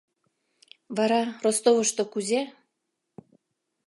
Вара Ростовышто кузе?